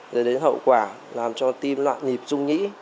rồi đến hậu quả làm cho tim loạn nhịp dung nhĩ